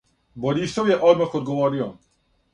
Борисов је одмах одговорио.